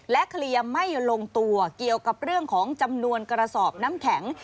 เคลียร์ไม่ลงตัวเกี่ยวกับเรื่องของจำนวนกระสอบน้ำแข็ง